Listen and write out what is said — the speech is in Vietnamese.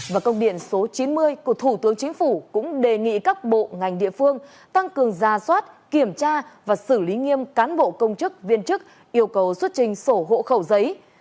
và công điện số chín mươi của thủ tướng chính phủ cũng đề nghị các bộ ngành địa phương tăng cường ra soát kiểm tra và xử lý nghiêm cán bộ công chức viên chức yêu cầu xuất trình sổ hộ khẩu giấy